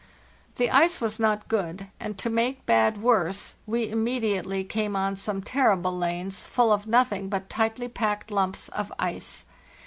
"The ice was not good; and, to make bad worse, we immediately came on some terrible lanes, full of nothing but tightly packed lumps of ice.